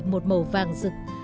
một màu vàng rực